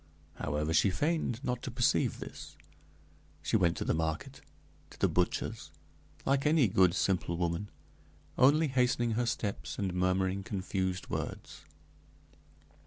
However, she feigned not to perceive this; she went to the market, to the butcher's, like any good, simple woman, only hastening her steps and murmuring confused words.